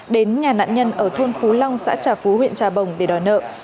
đến nhà nạn nhân ở thôn phú long xã trà phú huyện trà bồng để đòi nợ